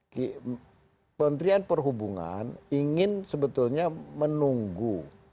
kementerian perhubungan ingin sebetulnya menunggu